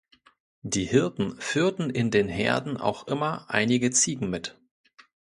Die Hirten führten in den Herden auch immer einige Ziegen mit.